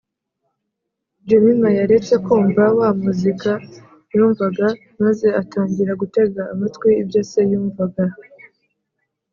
Jemima yaretse kumva wa muzika yumvaga maze atangira gutega amatwi ibyo se yumvaga